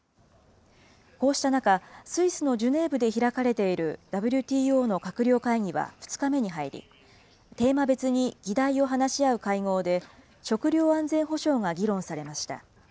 こうした中、スイスのジュネーブで開かれているＷＴＯの閣僚会議は２日目に入り、テーマ別に議題を話し合う会合で、食料安全保障が議論されました。